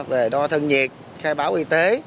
về đo thân nhiệt khai báo y tế